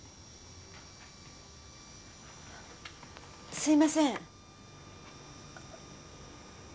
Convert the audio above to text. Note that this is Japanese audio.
すいません。